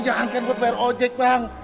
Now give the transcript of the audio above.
jangankan buat bayar ojek bang